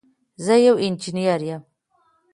زه یو انجنير یم.